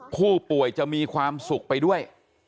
ผู้ป่วยจะมีความสุขไปด้วย